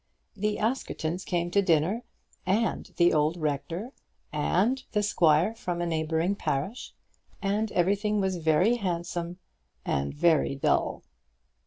The Askertons came to dinner, and the old rector, and the squire from a neighbouring parish, and everything was very handsome and very dull.